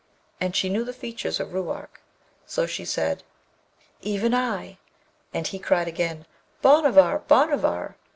and she knew the features of Ruark; so she said, 'Even I!' And he cried again, 'Bhanavar! Bhanavar!'